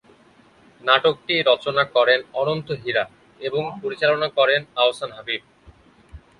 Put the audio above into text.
নাটকটি রচনা করেন অনন্ত হীরা এবং পরিচালনা করেন আহসান হাবীব।